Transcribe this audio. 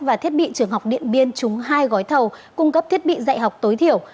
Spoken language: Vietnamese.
và thiết bị trường học điện biên trúng hai gói thầu cung cấp thiết bị dạy học tối thiểu